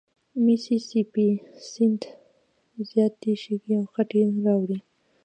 میسي سي پي سیند زیاتي شګې او خټې راوړي.